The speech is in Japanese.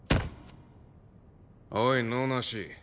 おい能なし。